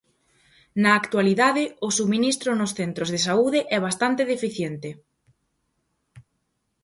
Na actualidade o subministro nos Centros de Saúde é bastante deficiente.